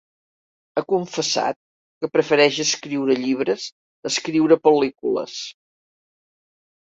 Ha confessat que prefereix escriure llibres a escriure pel·lícules.